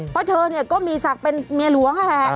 เพราะเธอก็มีศักดิ์เป็นเมียหลวงค่ะ